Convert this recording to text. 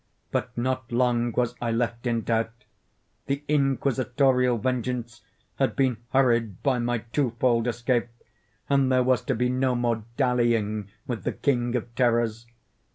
But not long was I left in doubt. The Inquisitorial vengeance had been hurried by my two fold escape, and there was to be no more dallying with the King of Terrors.